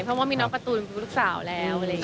เพราะว่ามีน้องการ์ตูนฟุรุกสาวแล้ว